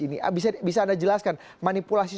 ini bisa anda jelaskan manipulasi